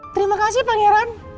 terima kasih pangeran